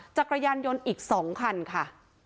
จักรยานยนต์อีก๒คันค่ะ